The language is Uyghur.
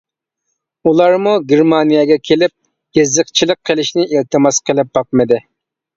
ئۇلارمۇ گېرمانىيەگە كېلىپ يېزىقچىلىق قىلىشنى ئىلتىماس قىلىپ باقمىدى.